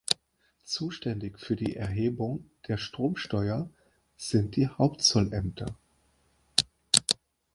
Zuständig für die Erhebung der Stromsteuer sind die Hauptzollämter.